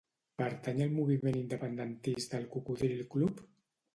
Pertany al moviment independentista el Cocodril club?